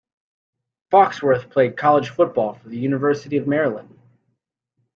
Foxworth played college football for the University of Maryland.